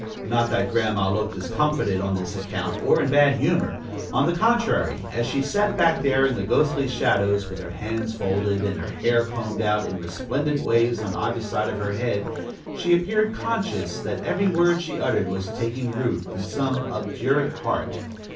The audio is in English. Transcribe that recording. Not that Grandma looked discomfited on this account, or in bad humor. On the contrary, as she sat back there in the ghostly shadows, with her hands folded, and her hair combed out in resplendent waves on either side of her head, she appeared conscious that every word she uttered was taking root in some obdurate heart.